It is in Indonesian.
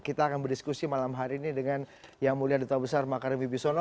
kita akan berdiskusi malam hari ini dengan yang mulia duta besar makarim bibisono